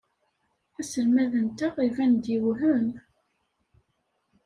Aselmad-nteɣ iban-d yewhem.